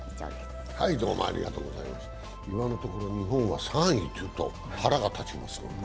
今のところ、日本は３位というと、腹が立ちますが。